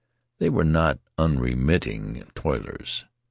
They were not unremitting toilers.